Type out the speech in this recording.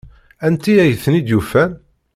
Anti ay ten-id-yufan?